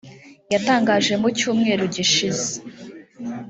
yatangaje mu cyumweru gishize